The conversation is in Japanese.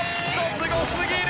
すごすぎる！